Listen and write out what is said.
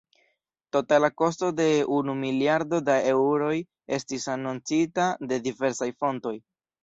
Totala kosto de unu miliardo da eŭroj estis anoncita de diversaj fontoj.